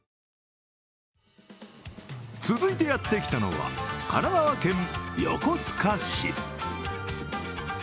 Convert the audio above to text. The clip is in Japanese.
続いてやってきたのは神奈川県横須賀市。